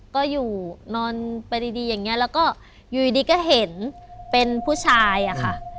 ก็อยู่นอนไปดีอย่างนี้แล้วก็อยู่ดีก็เห็นเป็นผู้ชายอะค่ะ